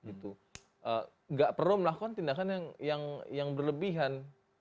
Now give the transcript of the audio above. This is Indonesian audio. tidak perlu melakukan tindakan yang berlebihan